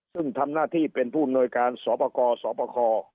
ซึ่งทำหน้าที่เป็นผู้โนยการสบค